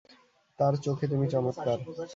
তার চোখে তুমি চমৎকার।